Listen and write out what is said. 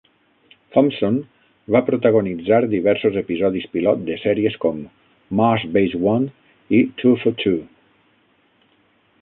Thompson va protagonitzar diversos episodis pilot de sèries com "Mars Base One" i "Two for Two".